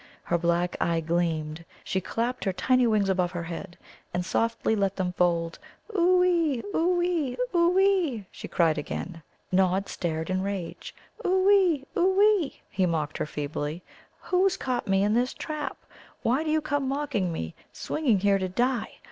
Her black eye gleamed. She clapped her tiny wings above her head, and softly let them fold. "Oo ee, oo ee, oo ee!" she cried again. Nod stared in a rage: "Oo ee, oo ee!" he mocked her feebly. "Who's caught me in this trap? Why do you come mocking me, swinging here to die?